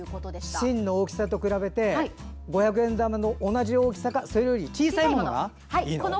芯の大きさと比べて五百円玉と同じ大きさかそれより小さいものがいいの？